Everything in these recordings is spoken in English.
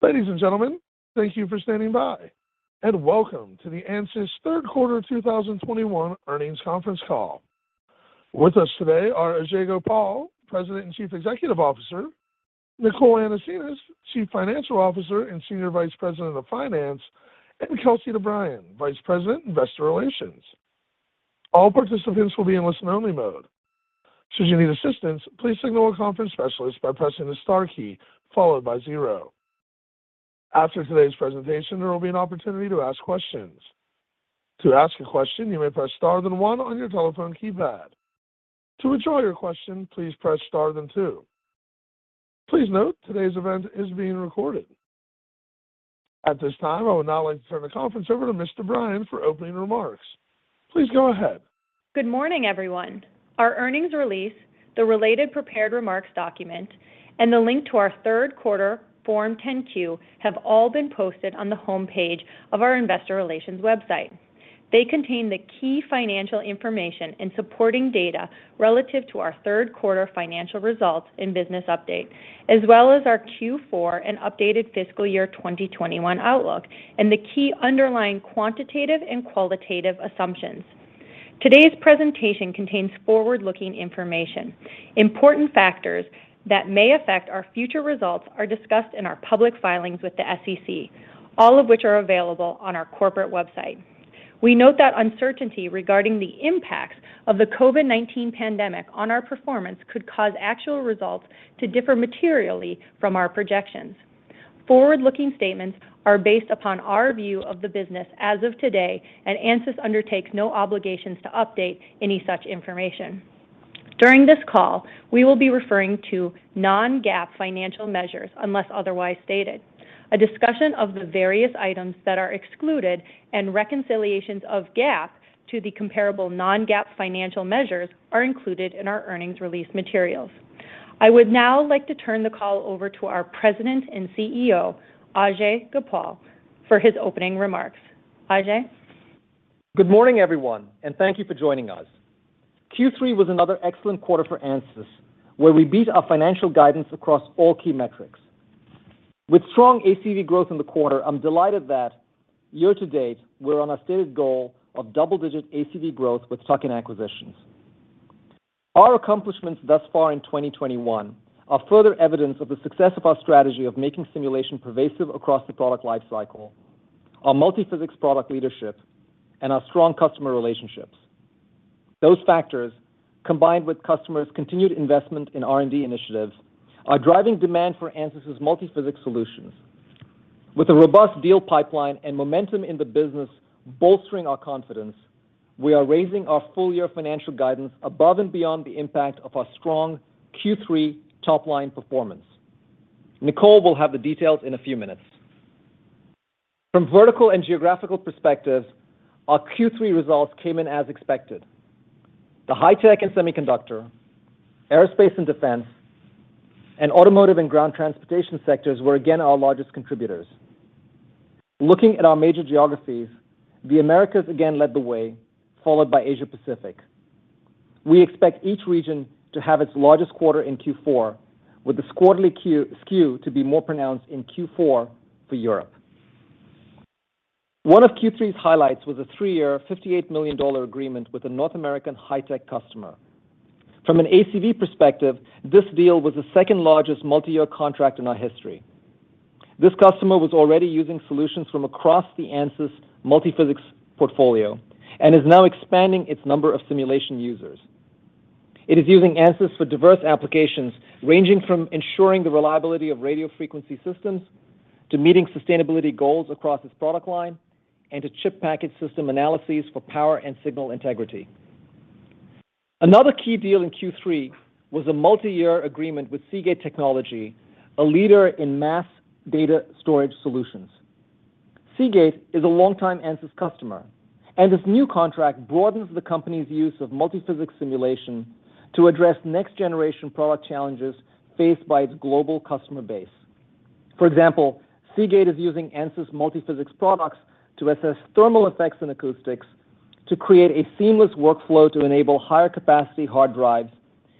Ladies and gentlemen, thank you for standing by, and welcome to the ANSYS Third Quarter 2021 Earnings Conference Call. With us today are Ajei Gopal, President and Chief Executive Officer, Nicole Anasenes, Chief Financial Officer and Senior Vice President of Finance, and Kelsey DeBriyn, Vice President, Investor Relations. All participants will be in listen-only mode. Should you need assistance, please signal a conference specialist by pressing the star key followed by zero. After today's presentation, there will be an opportunity to ask questions. To ask a question, you may press star then one on your telephone keypad. To withdraw your question, please press star then two. Please note today's event is being recorded. At this time, I would now like to turn the conference over to Miss DeBriyn for opening remarks. Please go ahead. Good morning, everyone. Our earnings release, the related prepared remarks document, and the link to our third quarter Form 10-Q have all been posted on the homepage of our investor relations website. They contain the key financial information and supporting data relative to our third quarter financial results and business update, as well as our Q4 and updated fiscal year 2021 outlook, and the key underlying quantitative and qualitative assumptions. Today's presentation contains forward-looking information. Important factors that may affect our future results are discussed in our public filings with the SEC, all of which are available on our corporate website. We note that uncertainty regarding the impacts of the COVID-19 pandemic on our performance could cause actual results to differ materially from our projections. Forward-looking statements are based upon our view of the business as of today, and ANSYS undertakes no obligations to update any such information. During this call, we will be referring to non-GAAP financial measures unless otherwise stated. A discussion of the various items that are excluded and reconciliations of GAAP to the comparable non-GAAP financial measures are included in our earnings release materials. I would now like to turn the call over to our President and CEO, Ajei Gopal, for his opening remarks. Ajei. Good morning, everyone, and thank you for joining us. Q3 was another excellent quarter for ANSYS, where we beat our financial guidance across all key metrics. With strong ACV growth in the quarter, I'm delighted that year-to-date we're on our stated goal of double-digit ACV growth with tuck-in acquisitions. Our accomplishments thus far in 2021 are further evidence of the success of our strategy of making simulation pervasive across the product lifecycle, our multi-physics product leadership, and our strong customer relationships. Those factors, combined with customers' continued investment in R&D initiatives, are driving demand for ANSYS' multi-physics solutions. With a robust deal pipeline and momentum in the business bolstering our confidence, we are raising our full-year financial guidance above and beyond the impact of our strong Q3 top-line performance. Nicole will have the details in a few minutes. From vertical and geographical perspectives, our Q3 results came in as expected. The high tech and semiconductor, aerospace and defense, and automotive and ground transportation sectors were again our largest contributors. Looking at our major geographies, the Americas again led the way, followed by Asia Pacific. We expect each region to have its largest quarter in Q4, with this quarterly Q skew to be more pronounced in Q4 for Europe. One of Q3's highlights was a three-year $58 million agreement with a North American high-tech customer. From an ACV perspective, this deal was the second-largest multi-year contract in our history. This customer was already using solutions from across the ANSYS multi-physics portfolio and is now expanding its number of simulation users. It is using ANSYS for diverse applications ranging from ensuring the reliability of radio frequency systems, to meeting sustainability goals across its product line, and to chip package system analyses for power and signal integrity. Another key deal in Q3 was a multi-year agreement with Seagate Technology, a leader in mass data storage solutions. Seagate is a longtime ANSYS customer, and this new contract broadens the company's use of multi-physics simulation to address next-generation product challenges faced by its global customer base. For example, Seagate is using ANSYS multi-physics products to assess thermal effects and acoustics to create a seamless workflow to enable higher capacity hard drives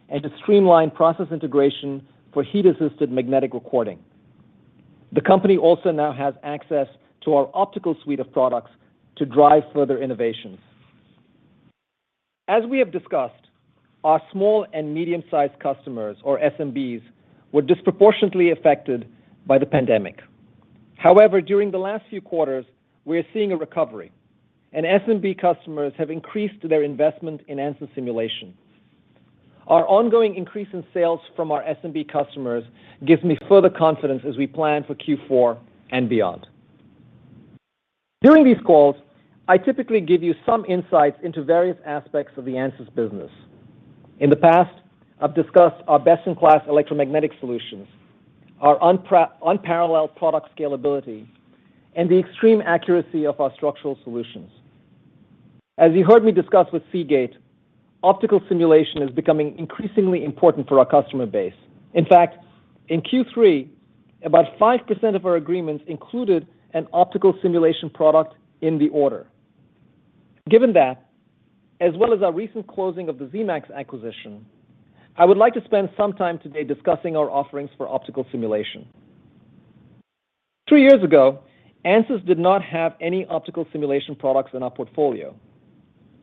and to streamline process integration for heat-assisted magnetic recording. The company also now has access to our optical suite of products to drive further innovations. As we have discussed, our small and medium-sized customers, or SMBs, were disproportionately affected by the pandemic. However, during the last few quarters, we are seeing a recovery, and SMB customers have increased their investment in ANSYS simulation. Our ongoing increase in sales from our SMB customers gives me further confidence as we plan for Q4 and beyond. During these calls, I typically give you some insights into various aspects of the ANSYS business. In the past, I've discussed our best-in-class electromagnetic solutions, our unparalleled product scalability, and the extreme accuracy of our structural solutions. As you heard me discuss with Seagate, optical simulation is becoming increasingly important for our customer base. In fact, in Q3, about 5% of our agreements included an optical simulation product in the order. Given that as well as our recent closing of the Zemax acquisition, I would like to spend some time today discussing our offerings for optical simulation. Three years ago, ANSYS did not have any optical simulation products in our portfolio.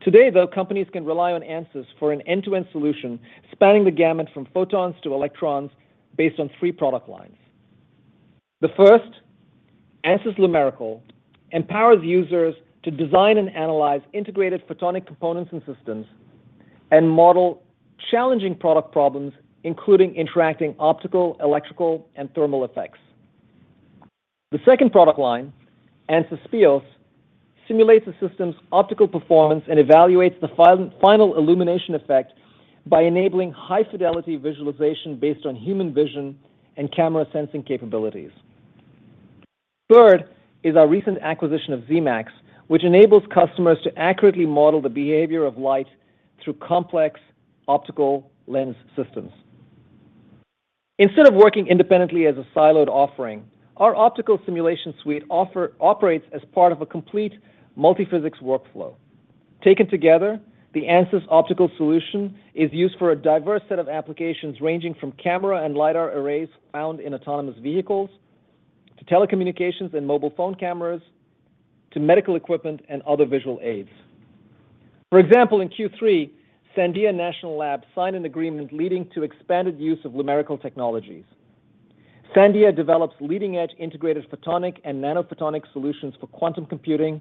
Today, though, companies can rely on ANSYS for an end-to-end solution spanning the gamut from photons to electrons based on three product lines. The first, ANSYS Lumerical, empowers users to design and analyze integrated photonic components and systems and model challenging product problems, including interacting optical, electrical, and thermal effects. The second product line, ANSYS Speos, simulates a system's optical performance and evaluates the final illumination effect by enabling high-fidelity visualization based on human vision and camera sensing capabilities. Third is our recent acquisition of Zemax, which enables customers to accurately model the behavior of light through complex optical lens systems. Instead of working independently as a siloed offering, our optical simulation suite operates as part of a complete multi-physics workflow. Taken together, the ANSYS optical solution is used for a diverse set of applications ranging from camera and lidar arrays found in autonomous vehicles to telecommunications and mobile phone cameras to medical equipment and other visual aids. For example, in Q3, Sandia National Labs signed an agreement leading to expanded use of Lumerical technologies. Sandia develops leading-edge integrated photonic and nanophotonic solutions for quantum computing,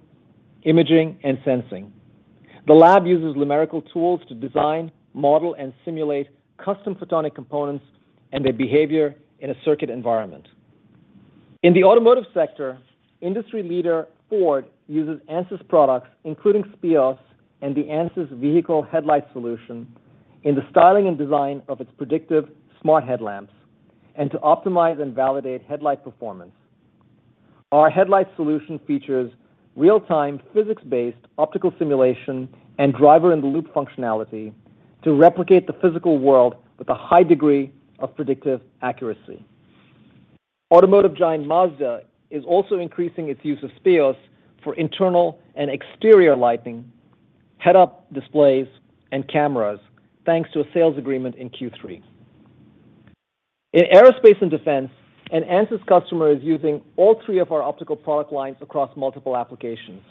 imaging, and sensing. The lab uses Lumerical tools to design, model, and simulate custom photonic components and their behavior in a circuit environment. In the automotive sector, industry leader Ford uses ANSYS products, including Speos and the ANSYS vehicle headlight solution, in the styling and design of its predictive smart headlamps and to optimize and validate headlight performance. Our headlight solution features real-time, physics-based optical simulation and driver-in-the-loop functionality to replicate the physical world with a high degree of predictive accuracy. Automotive giant Mazda is also increasing its use of Speos for interior and exterior lighting, head-up displays, and cameras, thanks to a sales agreement in Q3. In aerospace and defense, an ANSYS customer is using all three of our optical product lines across multiple applications.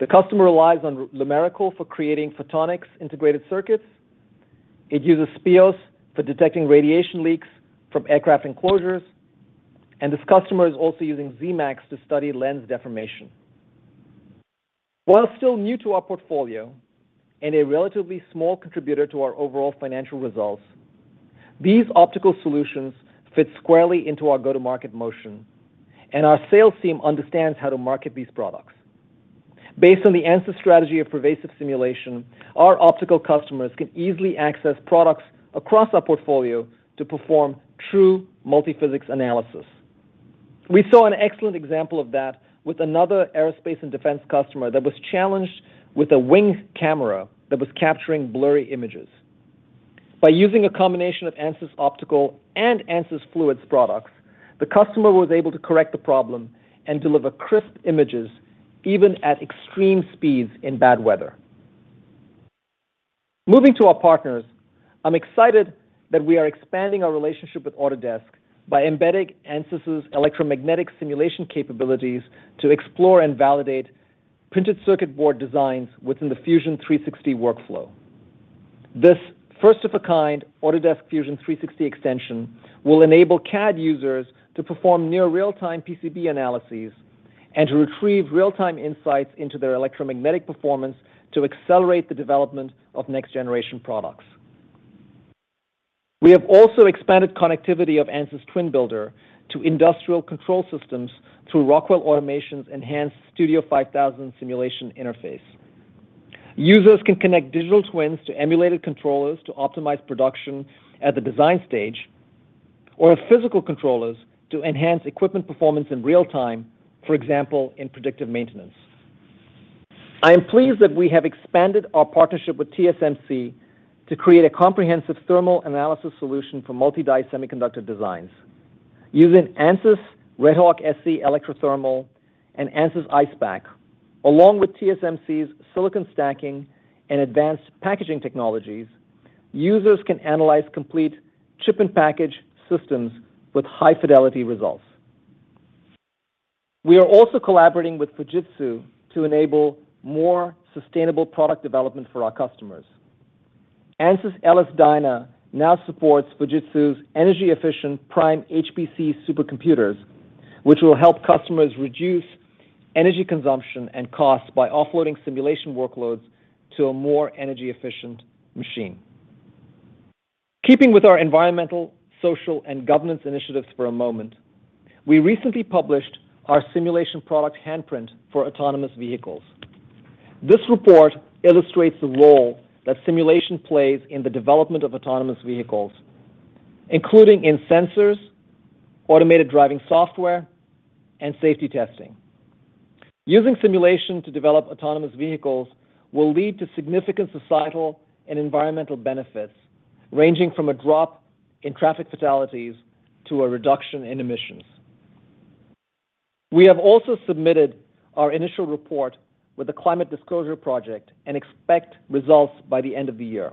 The customer relies on Lumerical for creating photonic integrated circuits. It uses Speos for detecting radiation leaks from aircraft enclosures, and this customer is also using Zemax to study lens deformation. While still new to our portfolio and a relatively small contributor to our overall financial results, these optical solutions fit squarely into our go-to-market motion, and our sales team understands how to market these products. Based on the ANSYS strategy of pervasive simulation, our optical customers can easily access products across our portfolio to perform true multi-physics analysis. We saw an excellent example of that with another aerospace and defense customer that was challenged with a wing camera that was capturing blurry images. By using a combination of ANSYS optical and ANSYS fluids products, the customer was able to correct the problem and deliver crisp images even at extreme speeds in bad weather. Moving to our partners, I'm excited that we are expanding our relationship with Autodesk by embedding ANSYS' electromagnetic simulation capabilities to explore and validate printed circuit board designs within the Fusion 360 workflow. This first-of-its-kind Autodesk Fusion 360 extension will enable CAD users to perform near real-time PCB analysis and to retrieve real-time insights into their electromagnetic performance to accelerate the development of next-generation products. We have also expanded connectivity of ANSYS Twin Builder to industrial control systems through Rockwell Automation's enhanced Studio 5000 Simulation Interface. Users can connect digital twins to emulated controllers to optimize production at the design stage, or physical controllers to enhance equipment performance in real time, for example, in predictive maintenance. I am pleased that we have expanded our partnership with TSMC to create a comprehensive thermal analysis solution for multi-die semiconductor designs. Using ANSYS RedHawk-SC Electrothermal and ANSYS Icepak, along with TSMC's silicon stacking and advanced packaging technologies, users can analyze complete chip and package systems with high-fidelity results. We are also collaborating with Fujitsu to enable more sustainable product development for our customers. ANSYS LS-DYNA now supports Fujitsu's energy-efficient PRIMEHPC Supercomputers, which will help customers reduce energy consumption and costs by offloading simulation workloads to a more energy-efficient machine. Keeping with our environmental, social, and governance initiatives for a moment, we recently published our simulation product handprint for autonomous vehicles. This report illustrates the role that simulation plays in the development of autonomous vehicles, including in sensors, automated driving software, and safety testing. Using simulation to develop autonomous vehicles will lead to significant societal and environmental benefits, ranging from a drop in traffic fatalities to a reduction in emissions. We have also submitted our initial report with the Carbon Disclosure Project and expect results by the end of the year.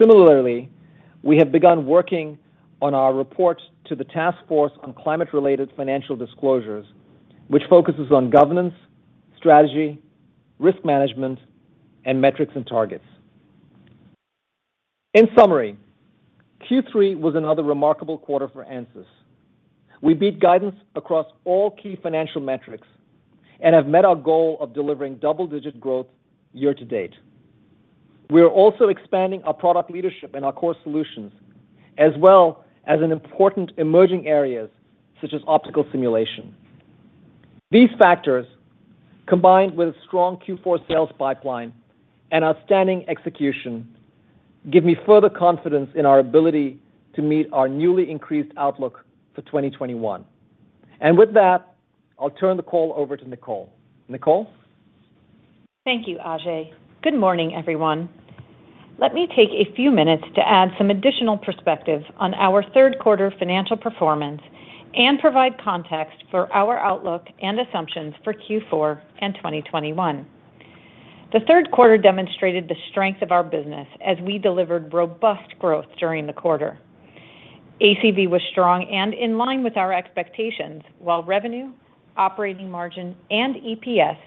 Similarly, we have begun working on our report to the Task Force on Climate-related Financial Disclosures, which focuses on governance, strategy, risk management, and metrics and targets. In summary, Q3 was another remarkable quarter for ANSYS. We beat guidance across all key financial metrics and have met our goal of delivering double-digit growth year-to-date. We are also expanding our product leadership in our core solutions as well as in important emerging areas such as optical simulation. These factors, combined with a strong Q4 sales pipeline and outstanding execution, give me further confidence in our ability to meet our newly increased outlook for 2021. With that, I'll turn the call over to Nicole. Nicole? Thank you, Ajei. Good morning, everyone. Let me take a few minutes to add some additional perspective on our third quarter financial performance and provide context for our outlook and assumptions for Q4 and 2021. The third quarter demonstrated the strength of our business as we delivered robust growth during the quarter. ACV was strong and in line with our expectations, while revenue, operating margin, and EPS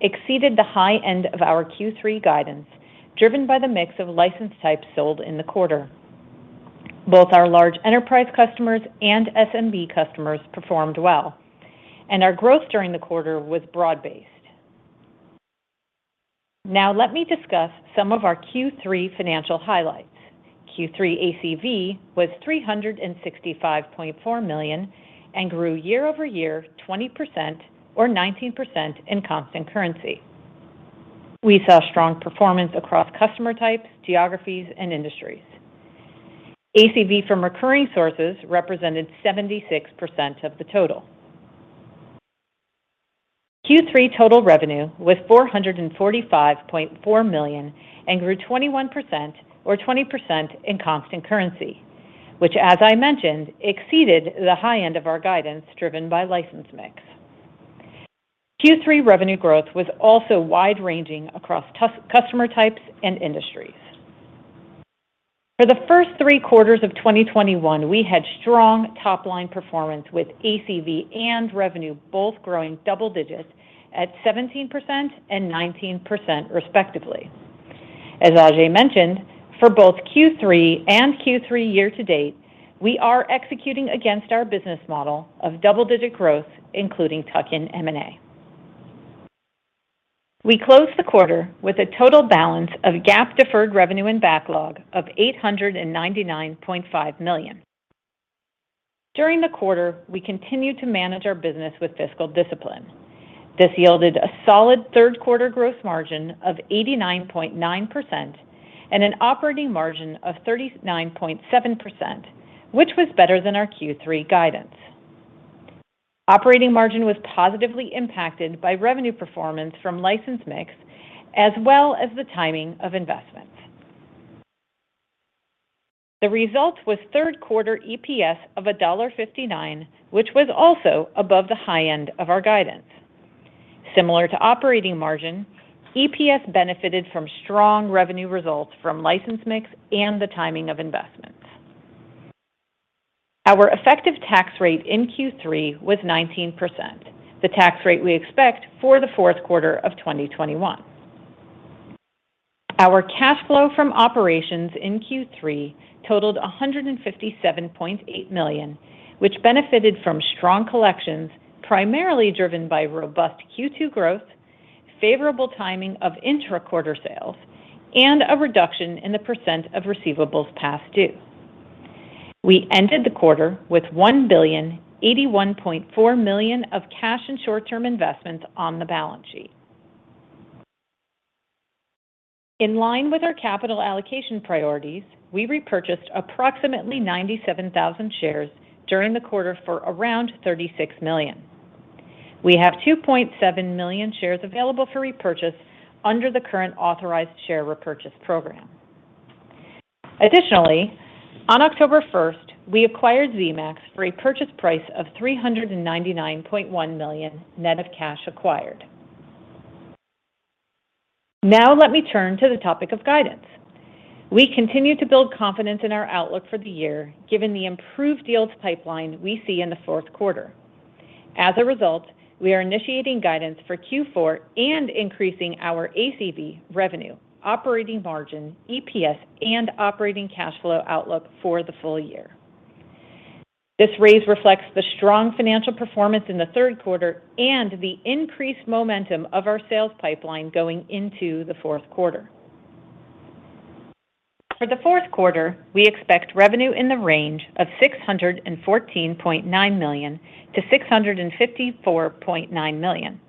exceeded the high-end of our Q3 guidance, driven by the mix of license types sold in the quarter. Both our large enterprise customers and SMB customers performed well, and our growth during the quarter was broad-based. Now let me discuss some of our Q3 financial highlights. Q3 ACV was $365.4 million and grew year-over-year 20% or 19% in constant currency. We saw strong performance across customer types, geographies, and industries. ACV from recurring sources represented 76% of the total. Q3 total revenue was $445.4 million and grew 21% or 20% in constant currency, which as I mentioned, exceeded the high-end of our guidance driven by license mix. Q3 revenue growth was also wide-ranging across customer types and industries. For the first three quarters of 2021, we had strong top-line performance with ACV and revenue both growing double digits at 17% and 19% respectively. As Ajei mentioned, for both Q3 and Q3 year-to-date, we are executing against our business model of double-digit growth, including tuck-in M&A. We closed the quarter with a total balance of GAAP deferred revenue and backlog of $899.5 million. During the quarter, we continued to manage our business with fiscal discipline. This yielded a solid third quarter gross margin of 89.9% and an operating margin of 39.7%, which was better than our Q3 guidance. Operating margin was positively impacted by revenue performance from license mix as well as the timing of investments. The result was third quarter EPS of $1.59, which was also above the high-end of our guidance. Similar to operating margin, EPS benefited from strong revenue results from license mix and the timing of investments. Our effective tax rate in Q3 was 19%, the tax rate we expect for the fourth quarter of 2021. Our cash flow from operations in Q3 totaled $157.8 million, which benefited from strong collections, primarily driven by robust Q2 growth, favorable timing of intra-quarter sales, and a reduction in the percent of receivables past due. We ended the quarter with $1,081.4 million of cash and short-term investments on the balance sheet. In line with our capital allocation priorities, we repurchased approximately 97,000 shares during the quarter for around $36 million. We have 2.7 million shares available for repurchase under the current authorized share repurchase program. Additionally, on October 1st, we acquired Zemax for a purchase price of $399.1 million net of cash acquired. Now let me turn to the topic of guidance. We continue to build confidence in our outlook for the year, given the improved deals pipeline we see in the fourth quarter. As a result, we are initiating guidance for Q4 and increasing our ACV revenue, operating margin, EPS, and operating cash flow outlook for the full-year. This raise reflects the strong financial performance in the third quarter and the increased momentum of our sales pipeline going into the fourth quarter. For the fourth quarter, we expect revenue in the range of $614.9 million-$654.9 million,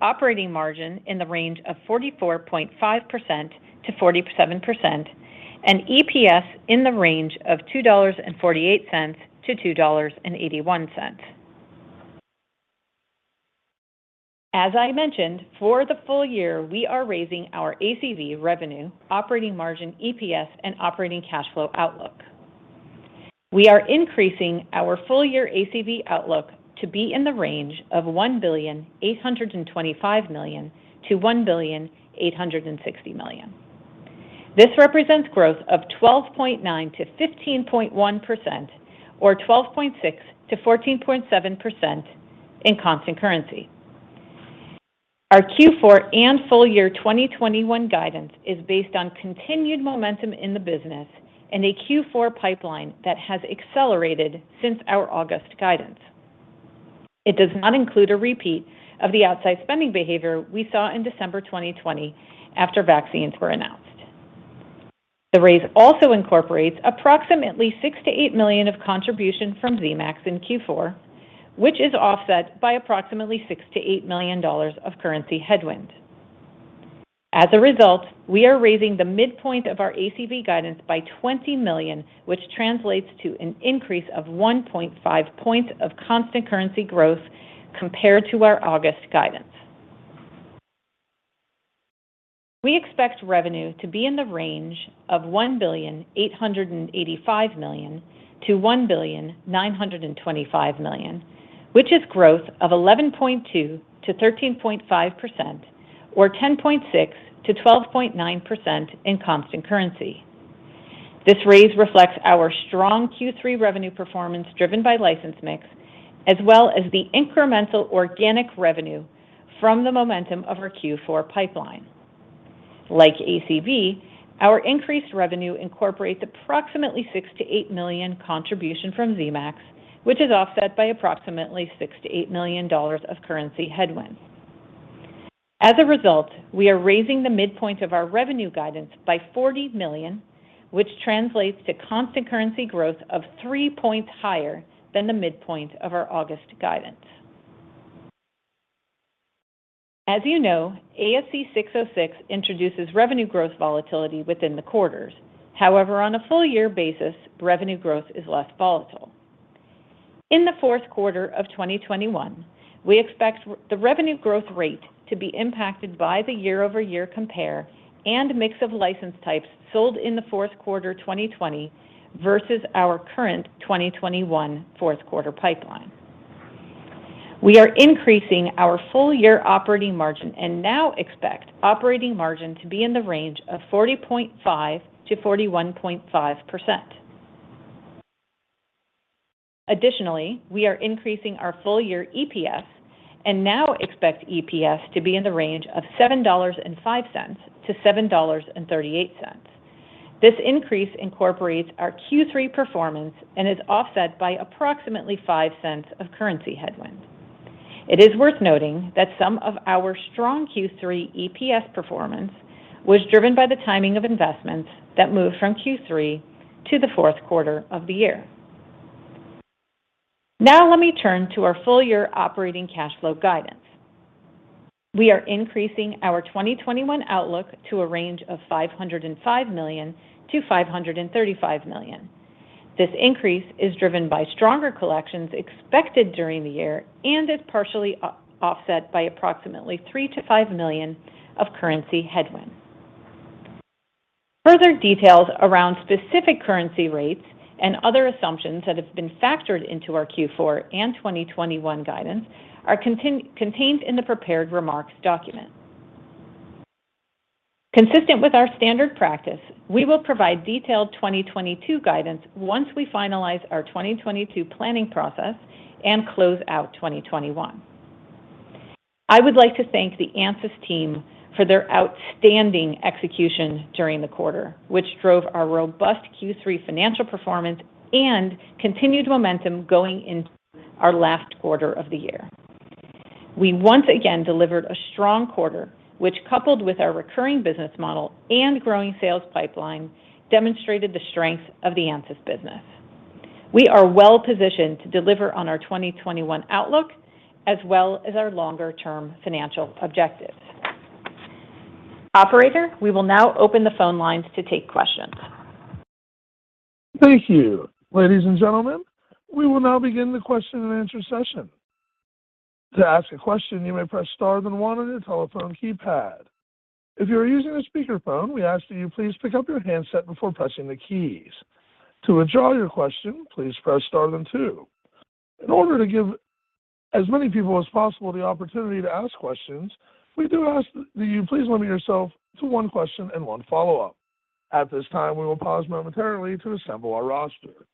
operating margin in the range of 44.5%-47%, and EPS in the range of $2.48-$2.81. As I mentioned, for the full-year, we are raising our ACV revenue, operating margin, EPS, and operating cash flow outlook. We are increasing our full-year ACV outlook to be in the range of $1,825 million-$1,860 million. This represents growth of 12.9%-15.1% or 12.6%-14.7% in constant currency. Our Q4 and full-year 2021 guidance is based on continued momentum in the business and a Q4 pipeline that has accelerated since our August guidance. It does not include a repeat of the outside spending behavior we saw in December 2020 after vaccines were announced. The raise also incorporates approximately $6 million-$8 million of contribution from Zemax in Q4, which is offset by approximately $6 million-$8 million of currency headwind. As a result, we are raising the mid-point of our ACV guidance by $20 million, which translates to an increase of 1.5 points of constant currency growth compared to our August guidance. We expect revenue to be in the range of $1,885 million-$1,925 million, which is growth of 11.2%-13.5% or 10.6%-12.9% in constant currency. This raise reflects our strong Q3 revenue performance driven by license mix, as well as the incremental organic revenue from the momentum of our Q4 pipeline. Like ACV, our increased revenue incorporates approximately $6 million-$8 million contribution from Zemax, which is offset by approximately $6 million-$8 million of currency headwind. As a result, we are raising the mid-point of our revenue guidance by $40 million, which translates to constant currency growth of 3 points higher than the midpoint of our August guidance. As you know, ASC 606 introduces revenue growth volatility within the quarters. However, on a full-year basis, revenue growth is less volatile. In the fourth quarter of 2021, we expect the revenue growth rate to be impacted by the year-over-year compare and mix of license types sold in the fourth quarter 2020 versus our current 2021 fourth quarter pipeline. We are increasing our full-year operating margin and now expect operating margin to be in the range of 40.5%-41.5%. Additionally, we are increasing our full-year EPS and now expect EPS to be in the range of $7.05-$7.38. This increase incorporates our Q3 performance and is offset by approximately $0.05 of currency headwind. It is worth noting that some of our strong Q3 EPS performance was driven by the timing of investments that moved from Q3 to the fourth quarter of the year. Now let me turn to our full-year operating cash flow guidance. We are increasing our 2021 outlook to a range of $505 million-$535 million. This increase is driven by stronger collections expected during the year and is partially offset by approximately $3 million-$5 million of currency headwind. Further details around specific currency rates and other assumptions that have been factored into our Q4 and 2021 guidance are contained in the prepared remarks document. Consistent with our standard practice, we will provide detailed 2022 guidance once we finalize our 2022 planning process and close out 2021. I would like to thank the ANSYS team for their outstanding execution during the quarter, which drove our robust Q3 financial performance and continued momentum going into our last quarter of the year. We once again delivered a strong quarter, which, coupled with our recurring business model and growing sales pipeline, demonstrated the strength of the ANSYS business. We are well positioned to deliver on our 2021 outlook as well as our longer-term financial objectives. Operator, we will now open the phone lines to take questions. Thank you. Ladies and gentlemen, we will now begin the question and answer session. To ask a question, you may press star then one on your telephone keypad. If you're using a speaker phone, we ask that you please pick up your handset before pressing the keys. To withdraw your question, please press star then two. In order to give as many people as possible the opportunity to ask questions, we do ask that you please limit yourself to one question and one follow-up. At this time, we will pause momentarily to assemble our roster.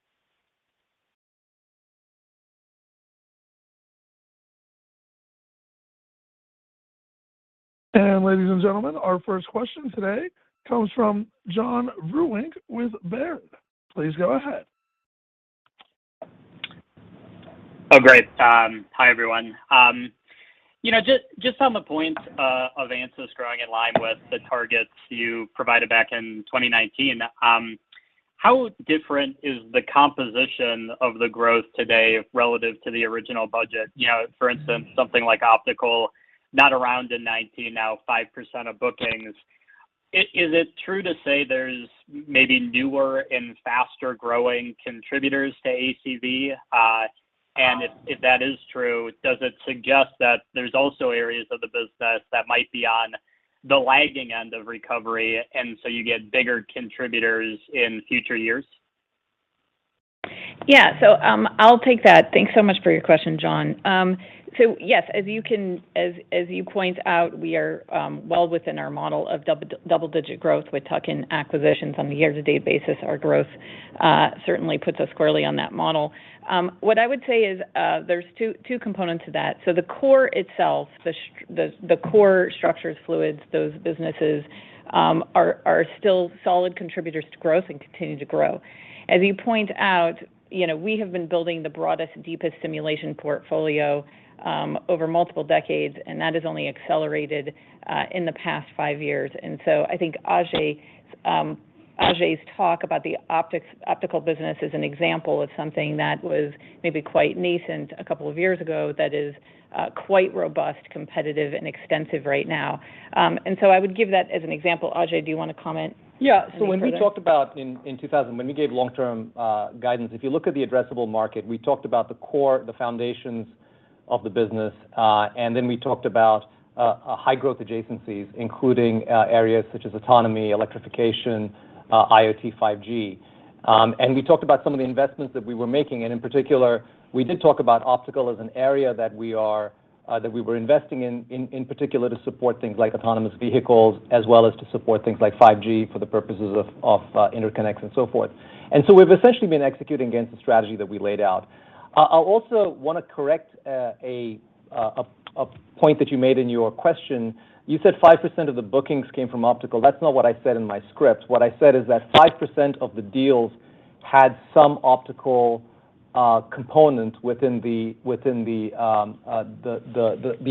Ladies and gentlemen, our first question today comes from Joe Vruwink with Baird. Please go ahead. Oh, great. Hi, everyone. You know, just on the point of ANSYS growing in line with the targets you provided back in 2019, how different is the composition of the growth today relative to the original budget? You know, for instance, something like optical, not around in 2019, now 5% of bookings. Is it true to say there's maybe newer and faster-growing contributors to ACV? And if that is true, does it suggest that there's also areas of the business that might be on the lagging end of recovery, and so you get bigger contributors in future years? Yeah. I'll take that. Thanks so much for your question, Joe. Yes, as you point out, we are well within our model of double-digit growth with tuck-in acquisitions on a year-to-date basis. Our growth certainly puts us squarely on that model. What I would say is, there's two components to that. The core itself, the core structures fluids, those businesses are still solid contributors to growth and continue to grow. As you point out, you know, we have been building the broadest, deepest simulation portfolio over multiple decades, and that has only accelerated in the past five years. I think Ajei's talk about the optical business as an example of something that was maybe quite nascent a couple of years ago that is quite robust, competitive, and extensive right now. I would give that as an example. Ajei, do you want to comment any further? When we gave long-term guidance, if you look at the addressable market, we talked about the core, the foundations of the business, and then we talked about a high growth adjacencies, including areas such as autonomy, electrification, IoT, 5G. We talked about some of the investments that we were making. In particular, we did talk about optical as an area that we were investing in in particular to support things like autonomous vehicles, as well as to support things like 5G for the purposes of interconnects and so forth. We've essentially been executing against the strategy that we laid out. I'll also want to correct a point that you made in your question. You said 5% of the bookings came from optical. That's not what I said in my script. What I said is that 5% of the deals had some optical component within the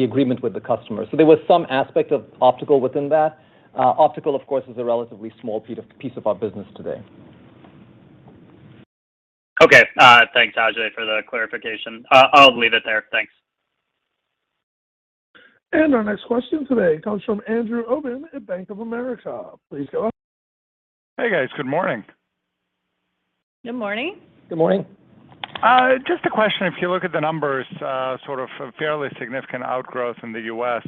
agreement with the customer. So there was some aspect of optical within that. Optical, of course, is a relatively small piece of our business today. Okay. Thanks, Ajei, for the clarification. I'll leave it there. Thanks. Our next question today comes from Andrew Obin at Bank of America. Please go on. Hey, guys. Good morning. Good morning. Good morning. Just a question. If you look at the numbers, sort of a fairly significant outgrowth in the U.S.,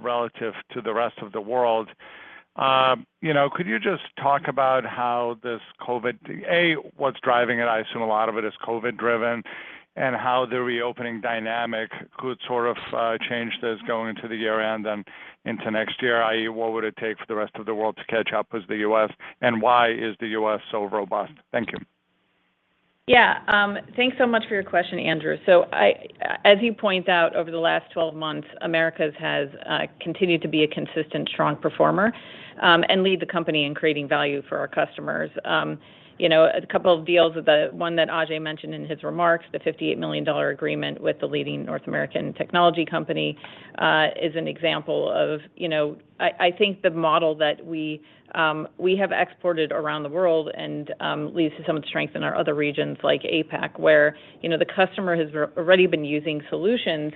relative to the rest of the world, you know, could you just talk about how this COVID, what's driving it? I assume a lot of it is COVID driven. How the reopening dynamic could sort of change this going into the year-end and into next year, i.e., what would it take for the rest of the world to catch up with the U.S.? Why is the U.S. so robust? Thank you. Thanks so much for your question, Andrew. As you point out, over the last 12 months, Americas has continued to be a consistent, strong performer and lead the company in creating value for our customers. You know, a couple of deals, the one that Ajei mentioned in his remarks, the $58 million agreement with the leading North American technology company, is an example of, you know, I think the model that we have exported around the world and leads to some of the strength in our other regions like APAC, where, you know, the customer has already been using solutions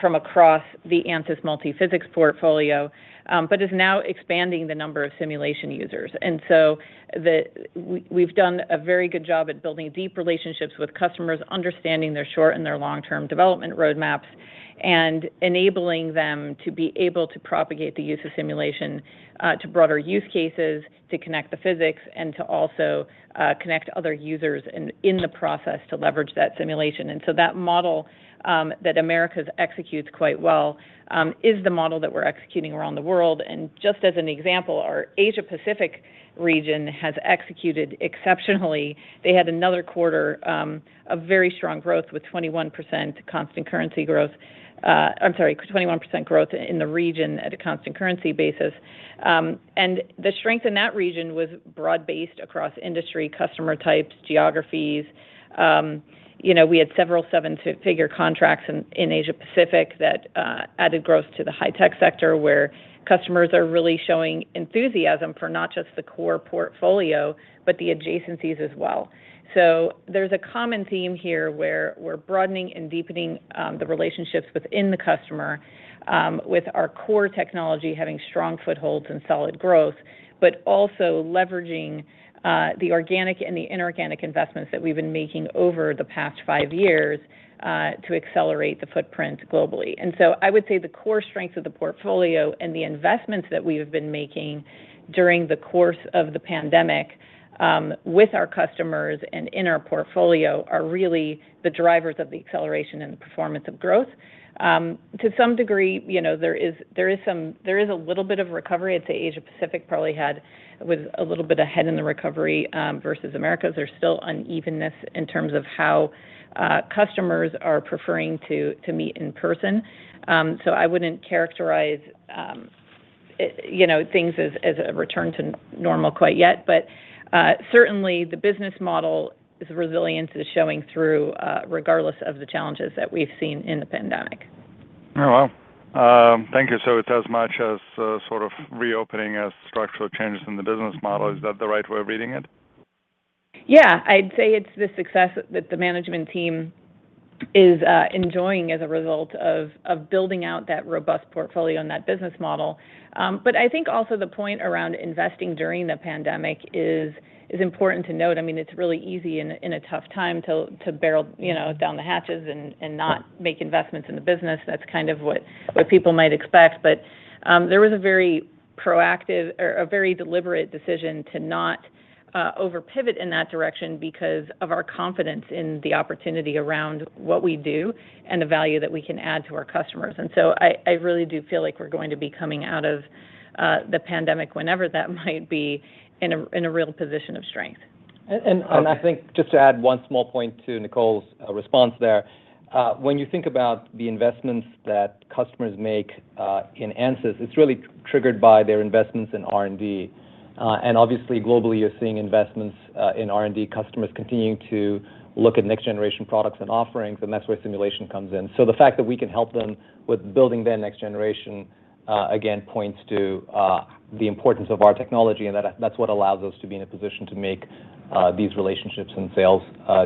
from across the ANSYS multi-physics portfolio, but is now expanding the number of simulation users. We've done a very good job at building deep relationships with customers, understanding their short and their long-term development roadmaps, and enabling them to be able to propagate the use of simulation to broader use cases, to connect the physics, and to also connect other users in the process to leverage that simulation. That model that Americas executes quite well is the model that we're executing around the world. Just as an example, our Asia Pacific region has executed exceptionally. They had another quarter of very strong growth with 21% constant currency growth. I'm sorry, 21% growth in the region at a constant currency basis. The strength in that region was broad-based across industry, customer types, geographies. You know, we had several seven-figure contracts in Asia Pacific that added growth to the high-tech sector, where customers are really showing enthusiasm for not just the core portfolio, but the adjacencies as well. There's a common theme here where we're broadening and deepening the relationships within the customer with our core technology having strong footholds and solid growth, but also leveraging the organic and the inorganic investments that we've been making over the past five years to accelerate the footprint globally. I would say the core strengths of the portfolio and the investments that we have been making during the course of the pandemic with our customers and in our portfolio are really the drivers of the acceleration and the performance of growth. To some degree, you know, there is a little bit of recovery. I'd say Asia Pacific probably was a little bit ahead in the recovery versus Americas. There's still unevenness in terms of how customers are preferring to meet in person. I wouldn't characterize it, you know, things as a return to normal quite yet. Certainly the business model's resilience is showing through regardless of the challenges that we've seen in the pandemic. Oh, wow. Thank you. It's as much as, sort of reopening as structural changes in the business model. Is that the right way of reading it? Yeah, I'd say it's the success that the management team is enjoying as a result of building out that robust portfolio and that business model. I think also the point around investing during the pandemic is important to note. I mean, it's really easy in a tough time to batten, you know, down the hatches and not make investments in the business. That's kind of what people might expect. There was a very proactive or a very deliberate decision to not overreact in that direction because of our confidence in the opportunity around what we do and the value that we can add to our customers. I really do feel like we're going to be coming out of the pandemic, whenever that might be, in a real position of strength. I think just to add one small point to Nicole's response there, when you think about the investments that customers make in ANSYS, it's really triggered by their investments in R&D. And obviously globally, you're seeing investments in R&D, customers continuing to look at next-generation products and offerings, and that's where simulation comes in. So the fact that we can help them with building their next generation again points to the importance of our technology, and that that's what allows us to be in a position to make these relationships and sales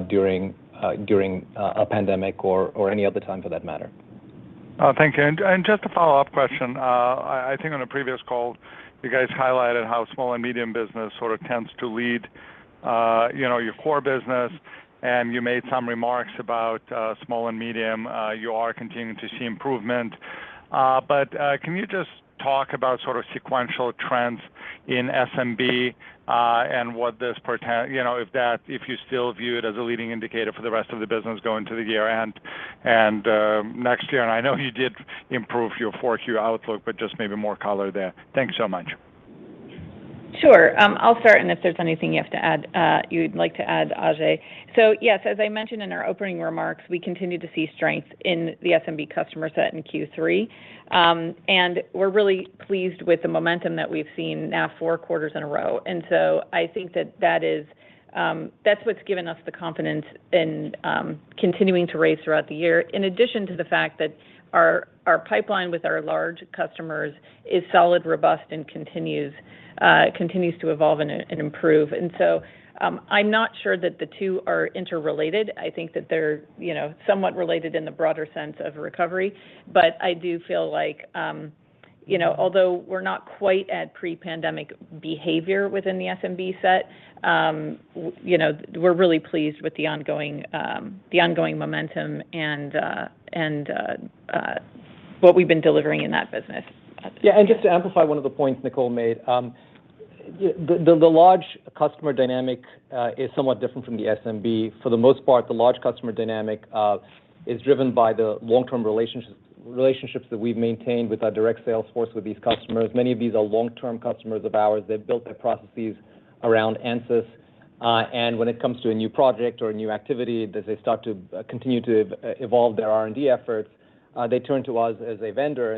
during a pandemic or any other time for that matter. Thank you. Just a follow-up question. I think on a previous call, you guys highlighted how small and medium business sort of tends to lead, you know, your core business, and you made some remarks about SMB, you're continuing to see improvement. Can you just talk about sort of sequential trends in SMB and what this portends. You know, if you still view it as a leading indicator for the rest of the business going to the year-end and next year. I know you did improve your 4Q outlook, but just maybe more color there. Thanks so much. Sure. I'll start, and if there's anything you have to add, you'd like to add, Ajei. Yes, as I mentioned in our opening remarks, we continue to see strength in the SMB customer set in Q3. We're really pleased with the momentum that we've seen now four quarters in a row. I think that is what's given us the confidence in continuing to raise throughout the year, in addition to the fact that our pipeline with our large customers is solid, robust, and continues to evolve and improve. I'm not sure that the two are interrelated. I think that they're, you know, somewhat related in the broader sense of recovery. I do feel like, you know, although we're not quite at pre-pandemic behavior within the SMB set, you know, we're really pleased with the ongoing momentum and what we've been delivering in that business. Yeah. Just to amplify one of the points Nicole made, the large customer dynamic is somewhat different from the SMB. For the most part, the large customer dynamic is driven by the long-term relationships that we've maintained with our direct sales force with these customers. Many of these are long-term customers of ours. They've built their processes around ANSYS, and when it comes to a new project or a new activity, as they start to continue to evolve their R&D efforts, they turn to us as a vendor.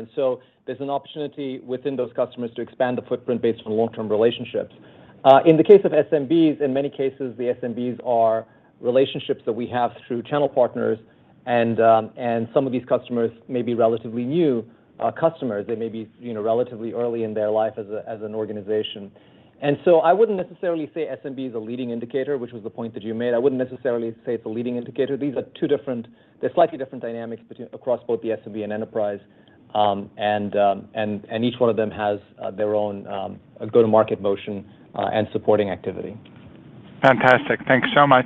There's an opportunity within those customers to expand the footprint based on long-term relationships. In the case of SMBs, in many cases, the SMBs are relationships that we have through channel partners and some of these customers may be relatively new customers. They may be, you know, relatively early in their life as a, as an organization. I wouldn't necessarily say SMB is a leading indicator, which was the point that you made. I wouldn't necessarily say it's a leading indicator. These are two different. They're slightly different dynamics across both the SMB and enterprise, and each one of them has their own go-to-market motion and supporting activity. Fantastic. Thank you so much.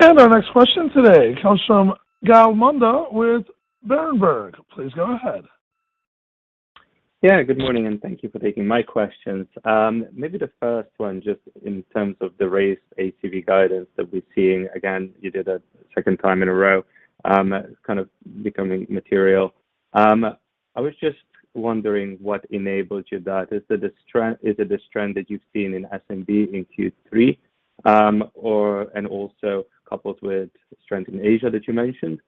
Our next question today comes from Gal Munda with Berenberg. Please go ahead. Yeah, good morning, and thank you for taking my questions. Maybe the first one, just in terms of the raised ACV guidance that we're seeing, again, you did a second time in a row, kind of becoming material. I was just wondering what enabled that. Is it a strength that you've seen in SMB in Q3, or and also coupled with strength in Asia that you mentioned?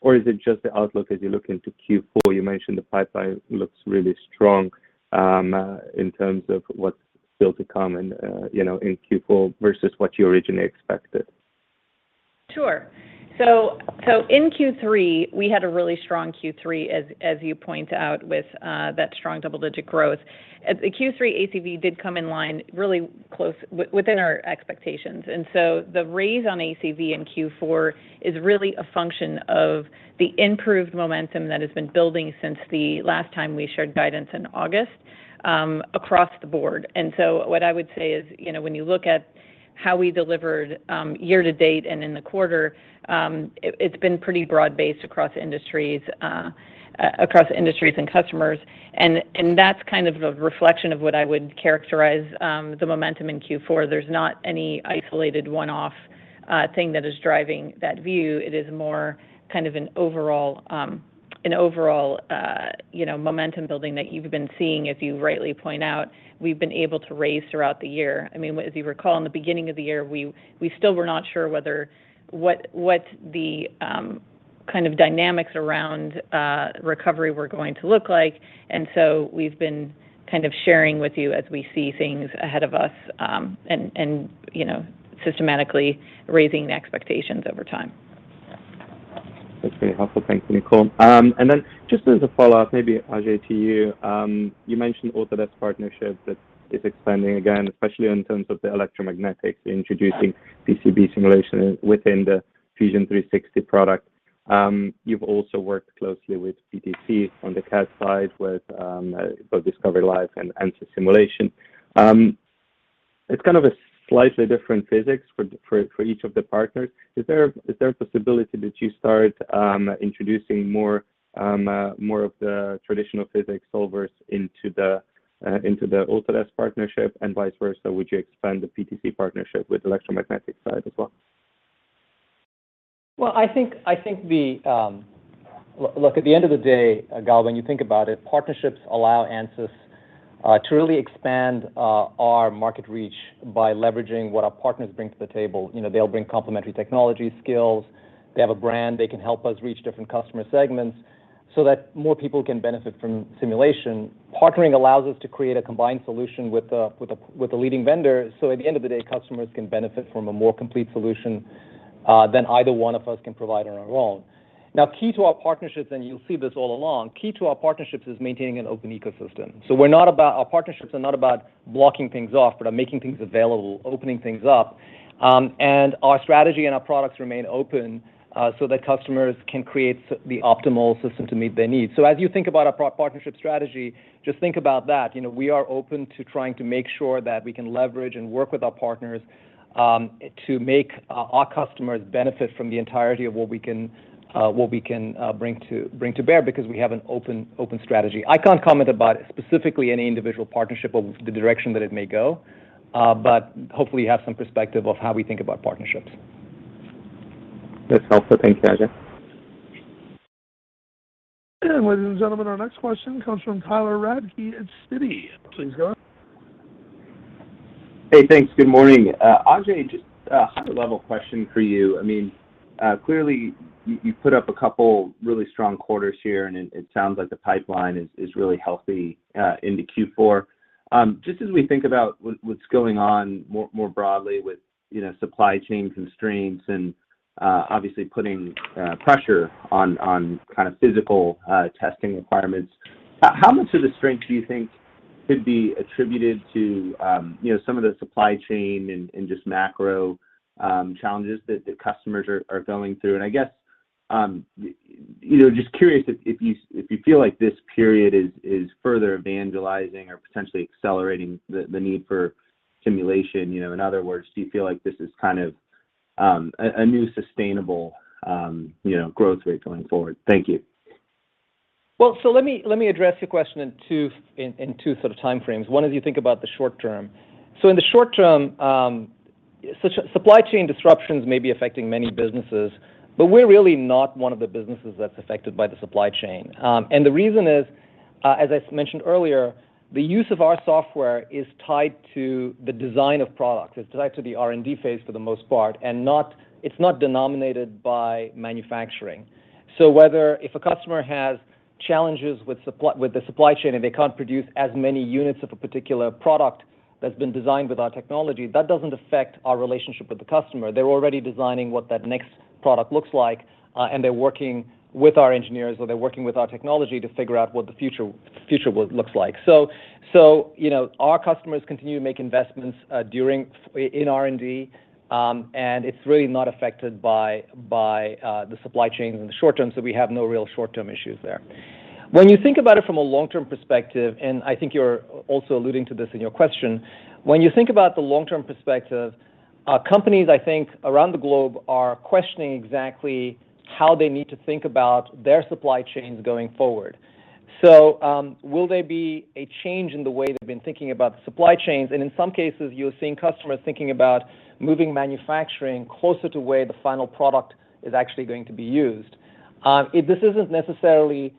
Or is it just the outlook as you look into Q4? You mentioned the pipeline looks really strong, in terms of what's still to come and in Q4 versus what you originally expected. Sure. In Q3, we had a really strong Q3, as you point out, with that strong double-digit growth. The Q3 ACV did come in line really close within our expectations. The raise on ACV in Q4 is really a function of the improved momentum that has been building since the last time we shared guidance in August, across the board. What I would say is, you know, when you look at how we delivered, year-to-date and in the quarter, it's been pretty broad-based across industries, across industries and customers. That's kind of a reflection of what I would characterize, the momentum in Q4. There's not any isolated one-off, thing that is driving that view. It is more kind of an overall, you know, momentum building that you've been seeing, as you rightly point out, we've been able to raise throughout the year. I mean, as you recall, in the beginning of the year, we still were not sure whether what the kind of dynamics around recovery were going to look like. We've been kind of sharing with you as we see things ahead of us, and you know, systematically raising the expectations over time. That's very helpful. Thanks, Nicole. Then just as a follow-up, maybe, Ajei, to you mentioned Autodesk partnerships that is expanding again, especially in terms of the electromagnetics, introducing PCB Simulation within the Fusion 360 product. You've also worked closely with PTC on the CAD side with both Discovery Live and ANSYS simulation. It's kind of a slightly different physics for each of the partners. Is there a possibility that you start introducing more of the traditional physics solvers into the Autodesk partnership and vice versa? Would you expand the PTC partnership with the electromagnetic side as well? Well, I think. Look, at the end of the day, Gal, when you think about it, partnerships allow ANSYS to really expand our market reach by leveraging what our partners bring to the table. You know, they'll bring complementary technology skills. They have a brand. They can help us reach different customer segments so that more people can benefit from simulation. Partnering allows us to create a combined solution with a leading vendor, so at the end of the day, customers can benefit from a more complete solution than either one of us can provide on our own. Now, key to our partnerships, and you'll see this all along, is maintaining an open ecosystem. We're not about... Our partnerships are not about blocking things off, but are making things available, opening things up, and our strategy and our products remain open, so that customers can create the optimal system to meet their needs. As you think about our partnership strategy, just think about that. You know, we are open to trying to make sure that we can leverage and work with our partners, to make our customers benefit from the entirety of what we can bring to bear because we have an open strategy. I can't comment about specifically any individual partnership of the direction that it may go, but hopefully you have some perspective of how we think about partnerships. That's helpful. Thanks, Ajei. Ladies and gentlemen, our next question comes from Tyler Radke at Citi. Please go ahead. Hey, thanks. Good morning. Ajei, just a high-level question for you. I mean, clearly you put up a couple really strong quarters here, and it sounds like the pipeline is really healthy into Q4. Just as we think about what's going on more broadly with, you know, supply chain constraints and obviously putting pressure on kind of physical testing requirements, how much of the strength do you think could be attributed to, you know, some of the supply chain and just macro challenges that the customers are going through? I guess, you know, just curious if you feel like this period is further evangelizing or potentially accelerating the need for simulation. You know, in other words, do you feel like this is kind of a new sustainable, you know, growth rate going forward? Thank you. Well, let me address your question in two sort of timeframes. One is you think about the short-term. In the short-term, supply chain disruptions may be affecting many businesses, but we're really not one of the businesses that's affected by the supply chain. The reason is, as I mentioned earlier, the use of our software is tied to the design of products. It's tied to the R&D phase for the most part, and not, it's not denominated by manufacturing. Whether if a customer has challenges with the supply chain, and they can't produce as many units of a particular product that's been designed with our technology, that doesn't affect our relationship with the customer. They're already designing what that next product looks like, and they're working with our engineers, or they're working with our technology to figure out what the future looks like. You know, our customers continue to make investments in R&D, and it's really not affected by the supply chain in the short-term, so we have no real short-term issues there. When you think about it from a long-term perspective, and I think you're also alluding to this in your question, when you think about the long-term perspective, companies I think around the globe are questioning exactly how they need to think about their supply chains going forward. Will there be a change in the way they've been thinking about the supply chains? In some cases you're seeing customers thinking about moving manufacturing closer to where the final product is actually going to be used. This isn't necessarily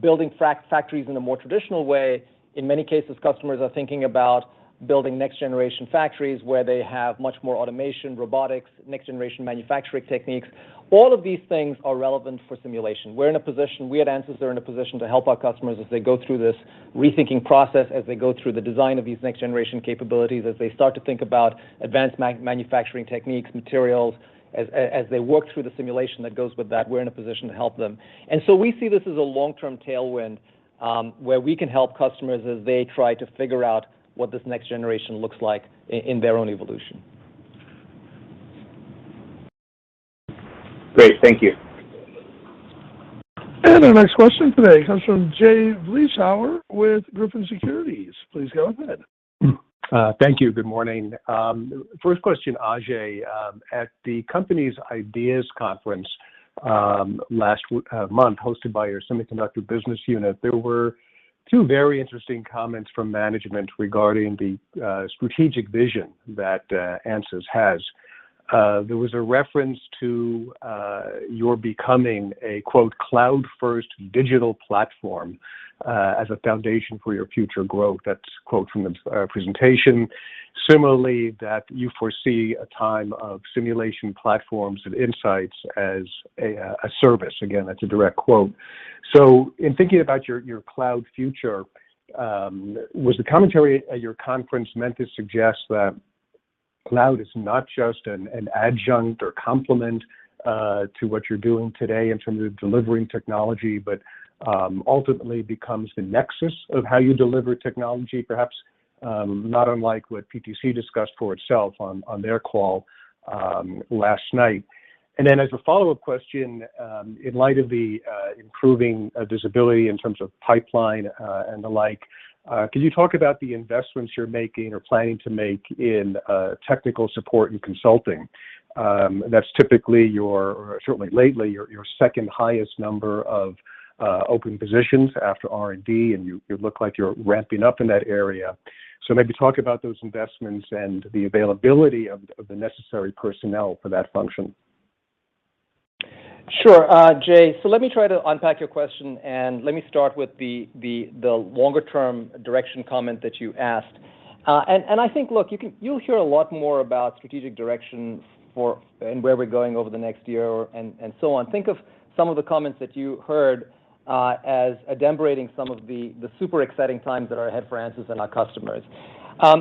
building factories in a more traditional way. In many cases, customers are thinking about building next-generation factories where they have much more automation, robotics, next-generation manufacturing techniques. All of these things are relevant for simulation. We at ANSYS are in a position to help our customers as they go through this rethinking process, as they go through the design of these next-generation capabilities, as they start to think about advanced manufacturing techniques, materials. As they work through the simulation that goes with that, we're in a position to help them. We see this as a long-term tailwind, where we can help customers as they try to figure out what this next generation looks like in their own evolution. Great. Thank you. Our next question today comes from Jay Vleeschhouwer with Griffin Securities. Please go ahead. Thank you. Good morning. First question, Ajei. At the company's IDEAS conference last month hosted by your semiconductor business unit, there were two very interesting comments from management regarding the strategic vision that ANSYS has. There was a reference to your becoming a, quote, "cloud-first digital platform," as a foundation for your future growth. That's a quote from the presentation. Similarly, that you foresee a time of simulation platforms and insights as a service. Again, that's a direct quote. In thinking about your cloud future, was the commentary at your conference meant to suggest that, Cloud is not just an adjunct or complement to what you're doing today in terms of delivering technology, but ultimately becomes the nexus of how you deliver technology, perhaps not unlike what PTC discussed for itself on their call last night. As a follow-up question, in light of the improving visibility in terms of pipeline and the like, could you talk about the investments you're making or planning to make in technical support and consulting. That's typically your or certainly lately your second highest number of open positions after R&D, and you look like you're ramping up in that area. Maybe talk about those investments and the availability of the necessary personnel for that function. Sure. Jay, let me try to unpack your question, and let me start with the longer-term direction comment that you asked. I think, look, you'll hear a lot more about strategic direction and where we're going over the next year and so on. Think of some of the comments that you heard as adumbrating some of the super exciting times that are ahead for ANSYS and our customers.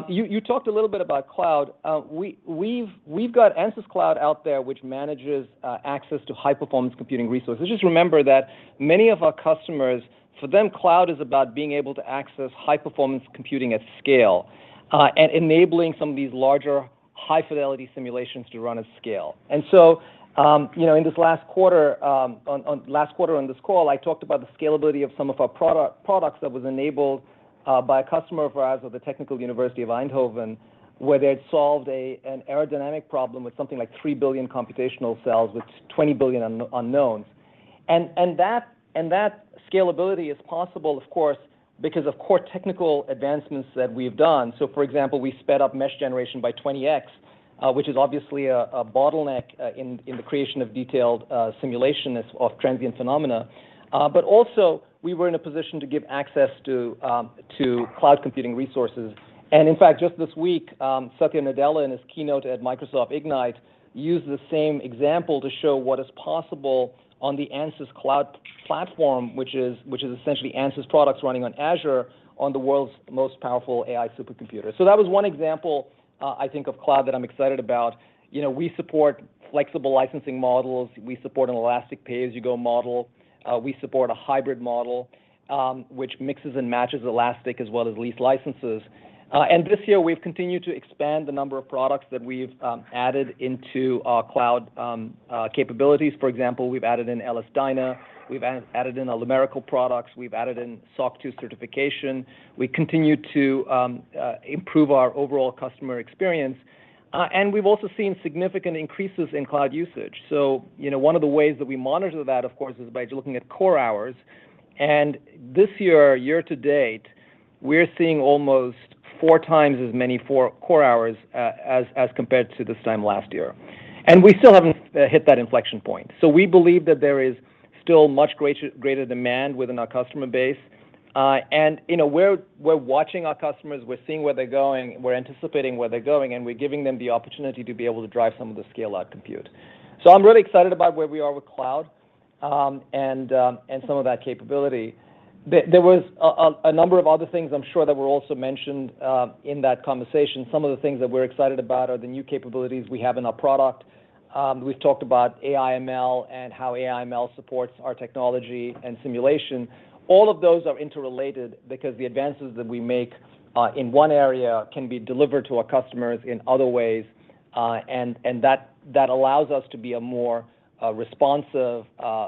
You talked a little bit about cloud. We've got ANSYS Cloud out there, which manages access to high-performance computing resources. Just remember that many of our customers, for them, cloud is about being able to access high-performance computing at scale and enabling some of these larger high-fidelity simulations to run at scale. You know, in this last quarter on last quarter on this call, I talked about the scalability of some of our products that was enabled by a customer of ours at the Eindhoven University of Technology, where they had solved an aerodynamic problem with something like 3 billion computational cells with 20 billion unknowns. That scalability is possible, of course, because of core technical advancements that we've done. For example, we sped up mesh generation by 20x, which is obviously a bottleneck in the creation of detailed simulation of transient phenomena. But also, we were in a position to give access to cloud computing resources. In fact, just this week, Satya Nadella in his keynote at Microsoft Ignite used the same example to show what is possible on the ANSYS Cloud platform, which is essentially ANSYS products running on Azure on the world's most powerful AI supercomputer. So that was one example, I think of cloud that I'm excited about. You know, we support flexible licensing models. We support an elastic pay-as-you-go model. We support a hybrid model, which mixes and matches elastic as well as lease licenses. And this year, we've continued to expand the number of products that we've added into our cloud capabilities. For example, we've added in LS-DYNA, we've added in our Lumerical products, we've added in SOC 2 certification. We continue to improve our overall customer experience, and we've also seen significant increases in-cloud usage. You know, one of the ways that we monitor that, of course, is by looking at core hours. This year-to-date, we're seeing almost four times as many core hours as compared to this time last year. We still haven't hit that inflection point. We believe that there is still much greater demand within our customer base. You know, we're watching our customers, we're seeing where they're going, we're anticipating where they're going, and we're giving them the opportunity to be able to drive some of the scale-out compute. I'm really excited about where we are with cloud, and some of that capability. There was a number of other things I'm sure that were also mentioned in that conversation. Some of the things that we're excited about are the new capabilities we have in our product. We've talked about AI/ML and how AI/ML supports our technology and simulation. All of those are interrelated because the advances that we make in one area can be delivered to our customers in other ways, and that allows us to be a more responsive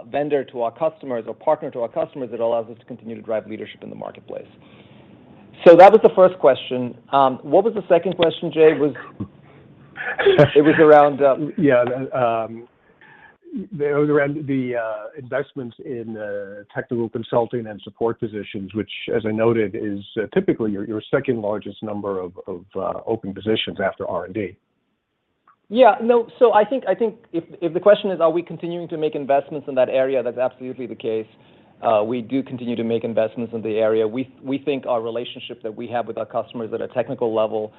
vendor to our customers or partner to our customers. It allows us to continue to drive leadership in the marketplace. That was the first question. What was the second question, Jay? It was around, Yeah, it was around the investments in technical consulting and support positions, which as I noted, is typically your second largest number of open positions after R&D. Yeah. No. I think if the question is are we continuing to make investments in that area, that's absolutely the case. We do continue to make investments in the area. We think our relationship that we have with our customers at a technical level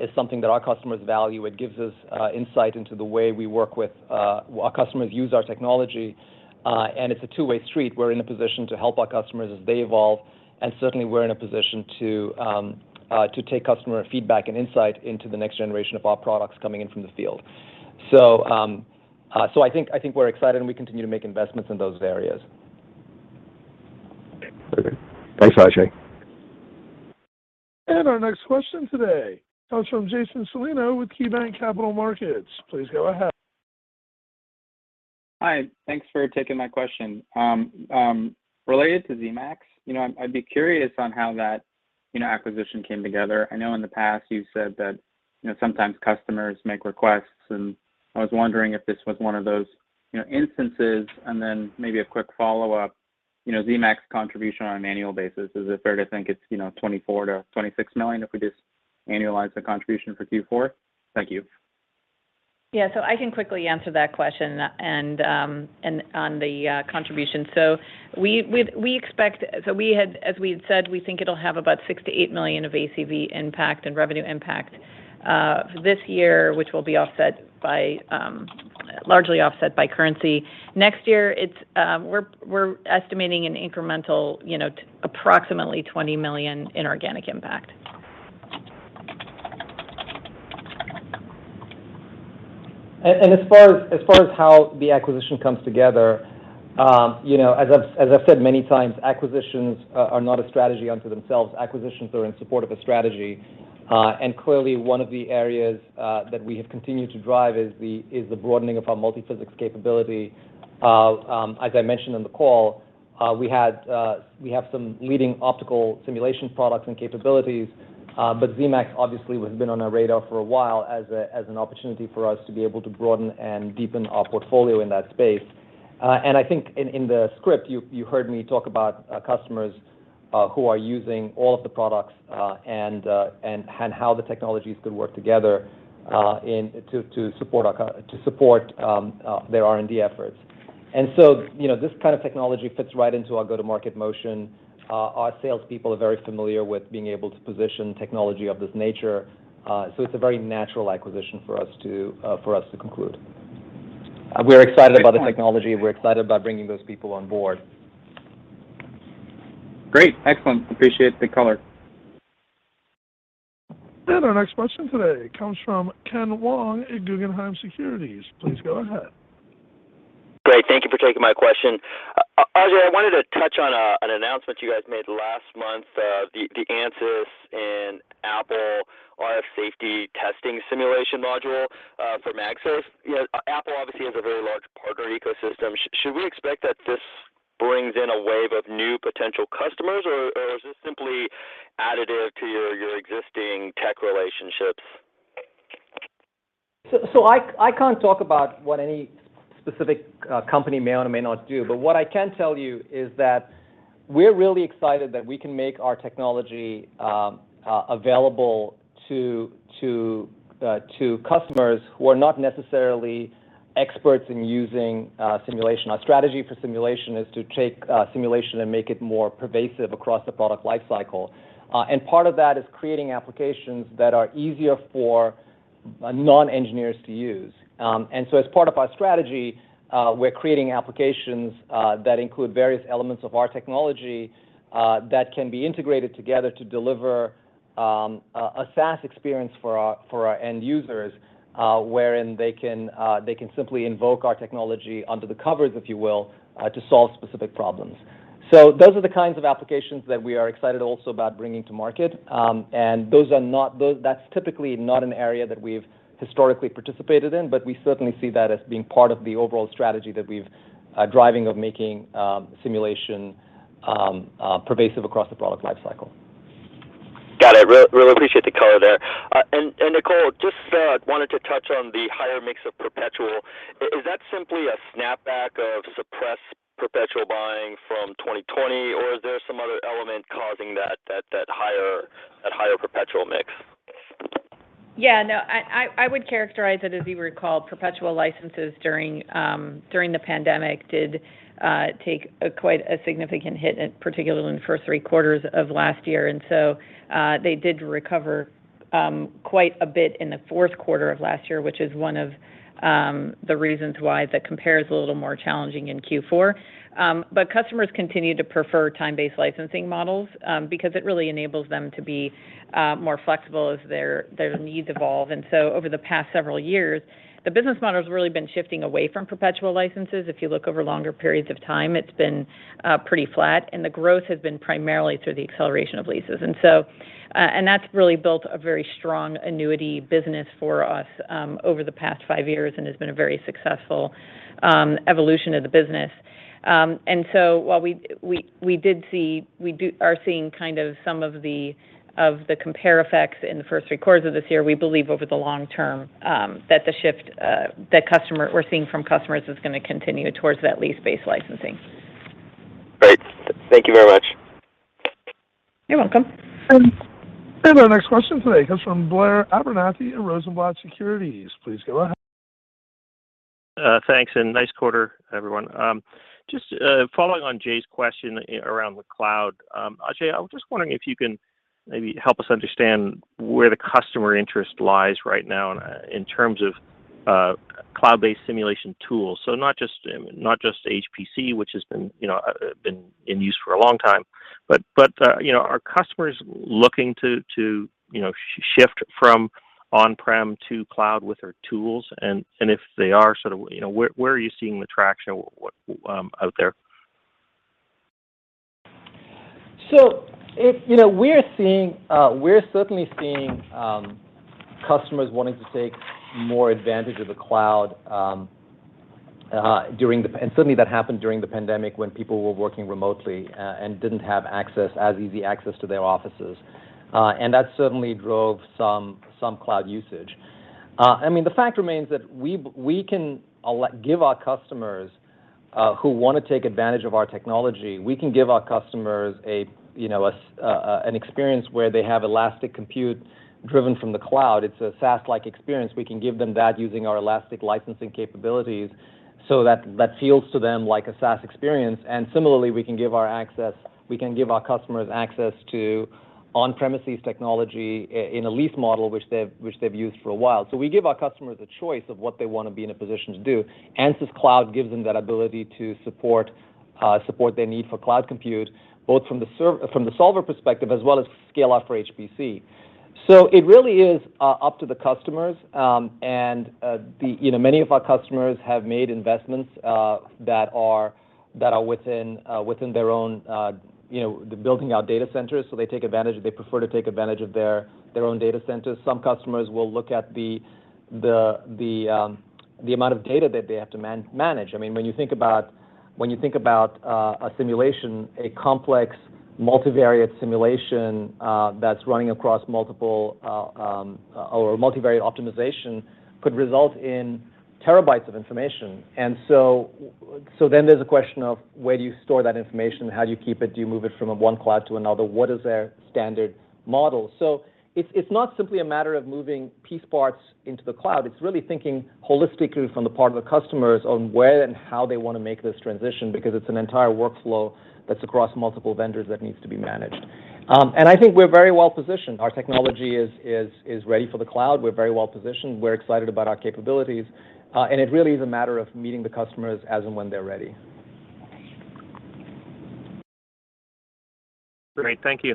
is something that our customers value. It gives us insight into the way we work with our customers use our technology. It's a two-way street. We're in a position to help our customers as they evolve, and certainly we're in a position to take customer feedback and insight into the next generation of our products coming in from the field. I think we're excited and we continue to make investments in those areas. Okay. Perfect. Thanks, Ajei. Our next question today comes from Jason Celino with KeyBanc Capital Markets. Please go ahead. Hi. Thanks for taking my question. Related to Zemax, you know, I'd be curious on how that, you know, acquisition came together. I know in the past you've said that, you know, sometimes customers make requests, and I was wondering if this was one of those, you know, instances. Then maybe a quick follow-up, you know, Zemax contribution on an annual basis, is it fair to think it's, you know, $24 million-$26 million if we just annualize the contribution for Q4? Thank you. I can quickly answer that question on the contribution. As we had said, we think it'll have about $6 million-$8 million of ACV impact and revenue impact this year, which will be largely offset by currency. Next year, we're estimating an incremental, you know, approximately $20 million in organic impact. As far as how the acquisition comes together, you know, as I've said many times, acquisitions are not a strategy unto themselves. Acquisitions are in support of a strategy. Clearly one of the areas that we have continued to drive is the broadening of our multi-physics capability. As I mentioned on the call, we have some leading optical simulation products and capabilities, but Zemax obviously has been on our radar for a while as an opportunity for us to be able to broaden and deepen our portfolio in that space. I think in the script you heard me talk about customers who are using all of the products and how the technologies could work together to support their R&D efforts. You know, this kind of technology fits right into our go-to-market motion. Our salespeople are very familiar with being able to position technology of this nature, so it's a very natural acquisition for us to conclude. We're excited about the technology. We're excited about bringing those people on board. Great. Excellent. Appreciate the color. Our next question today comes from Ken Wong at Guggenheim Securities. Please go ahead. Great. Thank you for taking my question. Ajei, I wanted to touch on an announcement you guys made last month, the ANSYS and Apple RF safety testing simulation module for MagSafe. You know, Apple obviously has a very large partner ecosystem. Should we expect that this brings in a wave of new potential customers, or is this simply additive to your existing tech relationships? I can't talk about what any specific company may or may not do, but what I can tell you is that we're really excited that we can make our technology available to customers who are not necessarily experts in using simulation. Our strategy for simulation is to take simulation and make it more pervasive across the product life cycle. Part of that is creating applications that are easier for non-engineers to use. As part of our strategy, we're creating applications that include various elements of our technology that can be integrated together to deliver a SaaS experience for our end users, wherein they can simply invoke our technology under the covers, if you will, to solve specific problems. Those are the kinds of applications that we are excited also about bringing to market. That's typically not an area that we've historically participated in, but we certainly see that as being part of the overall strategy that we're driving of making simulation pervasive across the product life cycle. Got it. Really appreciate the color there. Nicole, just wanted to touch on the higher mix of perpetual. Is that simply a snapback of suppressed perpetual buying from 2020, or is there some other element causing that higher perpetual mix? Yeah, no, I would characterize it as you would call perpetual licenses during the pandemic did take quite a significant hit, and particularly in the first three quarters of last year. They did recover quite a bit in the fourth quarter of last year, which is one of the reasons why the compare is a little more challenging in Q4. Customers continue to prefer time-based licensing models because it really enables them to be more flexible as their needs evolve. Over the past several years, the business model's really been shifting away from perpetual licenses. If you look over longer periods of time, it's been pretty flat, and the growth has been primarily through the acceleration of leases. That's really built a very strong annuity business for us over the past five years and has been a very successful evolution of the business. While we are seeing kind of some of the compare effects in the first three quarters of this year, we believe over the long-term that the shift we're seeing from customers is gonna continue towards that lease-based licensing. Great. Thank you very much. You're welcome. Our next question today comes from Blair Abernethy at Rosenblatt Securities. Please go ahead. Thanks, nice quarter, everyone. Just following on Jay's question around the cloud, Ajei, I was just wondering if you can maybe help us understand where the customer interest lies right now in terms of cloud-based simulation tools. Not just HPC, which has been, you know, in use for a long time, but you know, are customers looking to shift from on-prem to cloud with their tools? If they are, sort of, you know, where are you seeing the traction out there? You know, we're certainly seeing customers wanting to take more advantage of the cloud during the pandemic when people were working remotely and didn't have as easy access to their offices. That certainly drove some cloud usage. I mean, the fact remains that we can give our customers who wanna take advantage of our technology an experience where they have elastic compute driven from the cloud. It's a SaaS-like experience. We can give them that using our elastic licensing capabilities. That feels to them like a SaaS experience. Similarly, we can give our access, we can give our customers access to on-premises technology in a lease model which they've used for a while. We give our customers a choice of what they wanna be in a position to do. ANSYS Cloud gives them that ability to support their need for cloud compute, both from the solver perspective as well as scale out for HPC. It really is up to the customers, and, you know, many of our customers have made investments that are within their own, you know, they're building out data centers, so they take advantage, they prefer to take advantage of their own data centers. Some customers will look at the amount of data that they have to manage. I mean, when you think about a simulation, a complex multivariate simulation, that's running across multiple, or a multivariate optimization could result in terabytes of information. Then there's a question of where do you store that information? How do you keep it? Do you move it from one cloud to another? What is their standard model? It's not simply a matter of moving piece parts into the cloud. It's really thinking holistically from the part of the customers on where and how they wanna make this transition, because it's an entire workflow that's across multiple vendors that needs to be managed. I think we're very well positioned. Our technology is ready for the cloud. We're very well positioned. We're excited about our capabilities, and it really is a matter of meeting the customers as and when they're ready. Great. Thank you.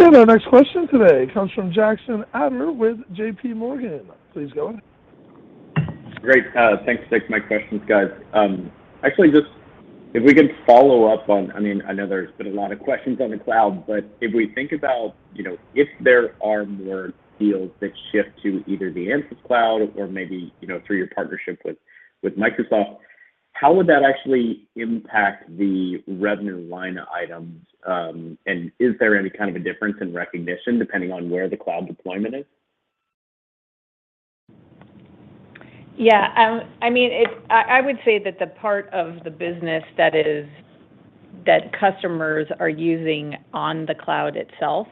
Our next question today comes from Jackson Ader with JP Morgan. Please go ahead. Great. Thanks. Thanks for my questions, guys. Actually just if we can follow up on, I mean, I know there's been a lot of questions on the cloud, but if we think about, you know, if there are more deals that shift to either the ANSYS Cloud or maybe, you know, through your partnership with Microsoft, how would that actually impact the revenue line items? Is there any kind of a difference in recognition depending on where the cloud deployment is? Yeah. I mean, I would say that the part of the business that customers are using on the cloud itself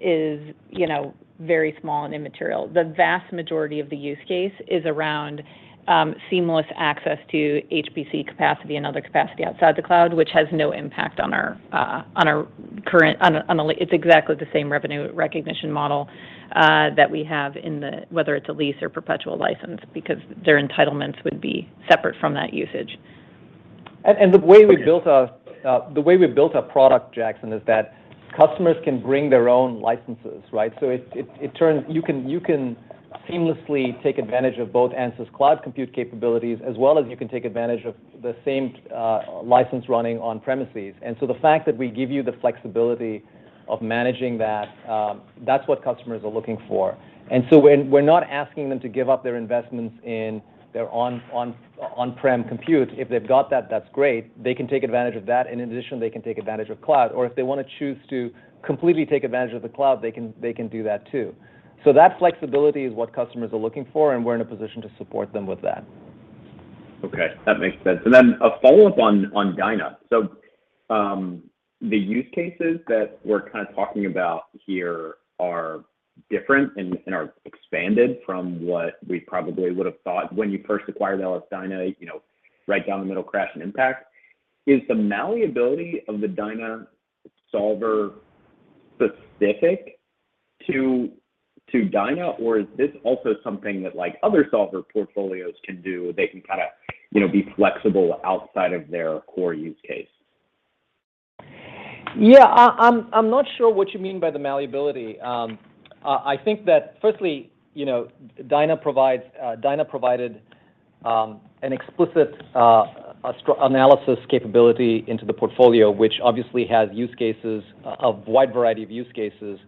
is, you know, very small and immaterial. The vast majority of the use case is around seamless access to HPC capacity and other capacity outside the cloud, which has no impact on our current. It's exactly the same revenue recognition model that we have, whether it's a lease or perpetual license, because their entitlements would be separate from that usage. The way we built our product, Jackson, is that customers can bring their own licenses, right? You can seamlessly take advantage of both ANSYS Cloud compute capabilities, as well as you can take advantage of the same license running on premises. The fact that we give you the flexibility of managing that's what customers are looking for. We're not asking them to give up their investments in their on-prem compute. If they've got that's great. They can take advantage of that, and in addition, they can take advantage of cloud. If they wanna choose to completely take advantage of the cloud, they can do that too. that flexibility is what customers are looking for, and we're in a position to support them with that. Okay. That makes sense. A follow-up on Dyna. The use cases that we're kind of talking about here are different and are expanded from what we probably would have thought when you first acquired LS-DYNA, you know, right down the middle crash and impact. Is the malleability of the Dyna solver specific to Dyna, or is this also something that, like, other solver portfolios can do? They can kinda, you know, be flexible outside of their core use case? Yeah. I'm not sure what you mean by the malleability. I think that firstly, you know, Dyna provided an explicit analysis capability into the portfolio, which obviously has use cases, a wide variety of use cases,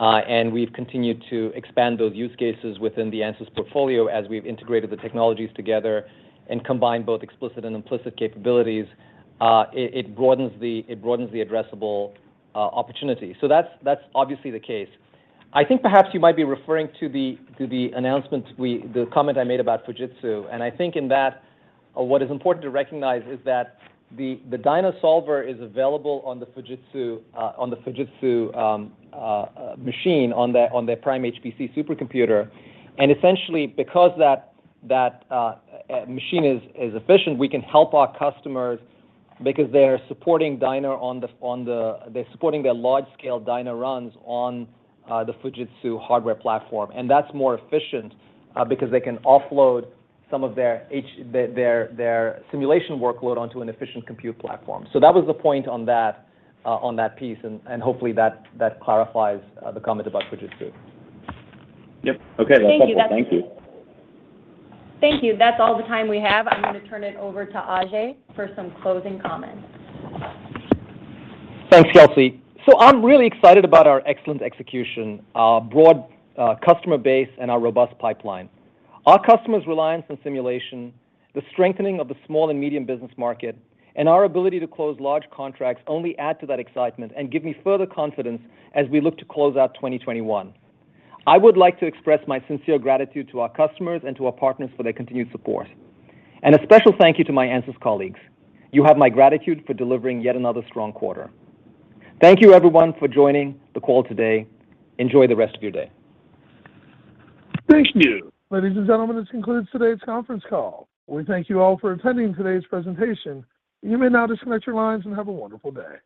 and we've continued to expand those use cases within the ANSYS portfolio as we've integrated the technologies together and combined both explicit and implicit capabilities. It broadens the addressable opportunity. So that's obviously the case. I think perhaps you might be referring to the comment I made about Fujitsu, and I think in that, what is important to recognize is that the Dyna solver is available on the Fujitsu machine, on the PRIMEHPC supercomputer. Essentially because that machine is efficient, we can help our customers because they're supporting their large scale Dyna runs on the Fujitsu hardware platform. That's more efficient because they can offload some of their simulation workload onto an efficient compute platform. That was the point on that piece and hopefully that clarifies the comment about Fujitsu. Yep. Okay. Thank you, Jackson. That's helpful. Thank you. Thank you. That's all the time we have. I'm gonna turn it over to Ajei for some closing comments. Thanks, Kelsey. I'm really excited about our excellent execution, our broad customer base, and our robust pipeline. Our customers' reliance on simulation, the strengthening of the small and medium business market, and our ability to close large contracts only add to that excitement and give me further confidence as we look to close out 2021. I would like to express my sincere gratitude to our customers and to our partners for their continued support. A special thank you to my ANSYS colleagues. You have my gratitude for delivering yet another strong quarter. Thank you everyone for joining the call today. Enjoy the rest of your day. Thank you. Ladies and gentlemen, this concludes today's conference call. We thank you all for attending today's presentation. You may now disconnect your lines and have a wonderful day.